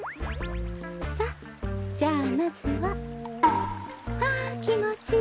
さっじゃあまずは。はあきもちいい。